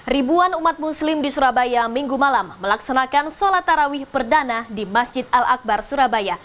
ribuan umat muslim di surabaya minggu malam melaksanakan sholat tarawih perdana di masjid al akbar surabaya